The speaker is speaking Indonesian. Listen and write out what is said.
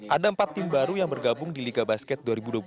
ada empat tim baru yang bergabung di liga basket dua ribu dua puluh tiga